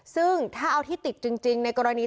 ซึ่งถ้าเอาที่ติดจริงในกรณี